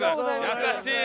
優しい。